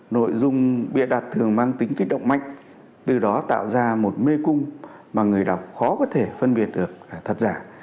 nội dung bịa đặt thường mang tính kích động mạnh từ đó tạo ra một mê cung mà người đọc khó có thể phân biệt được thật giả